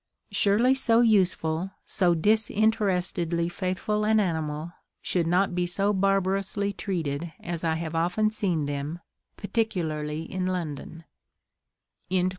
Surely so useful, so disinterestedly faithful an animal, should not be so barbarously treated as I have often seen them, particularly in London."